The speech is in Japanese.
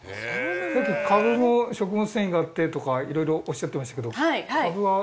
さっきカブも食物繊維があってとか色々おっしゃってましたけどカブは。